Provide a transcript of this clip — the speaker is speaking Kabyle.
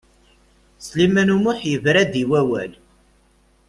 Sliman U Muḥ yebra-d i wawal.